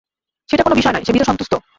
সেইটা কোন বিষয় নয় সে ভীত সন্ত্রস্ত।